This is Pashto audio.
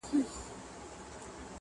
له ښكارونو به يې اخيستل خوندونه؛